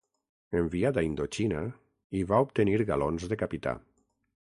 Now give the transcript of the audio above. Enviat a Indoxina, hi va obtenir galons de capità.